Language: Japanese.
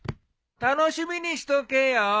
楽しみにしとけよー。